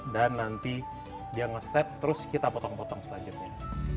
dan nanti dia ngeset terus kita potong potong selanjutnya